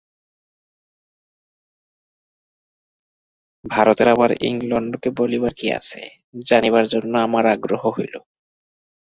ভারতের আবার ইংলণ্ডকে বলিবার কি আছে, জানিবার জন্য আমার আগ্রহ হইল।